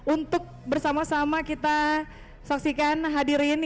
untuk bersama sama kita saksikan hadirin